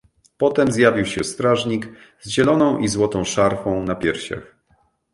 "Potem zjawił się strażnik z zieloną i złotą szarfą na piersiach."